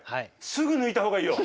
すぐ抜いたほうがいいよ。